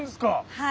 はい。